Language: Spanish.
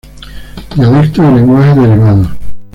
Dialectos y lenguajes derivados.